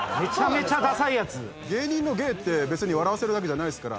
芸人の芸って別に笑わせるだけじゃないですから。